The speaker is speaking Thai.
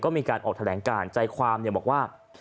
มีการออกแถลงการใจความบอกว่า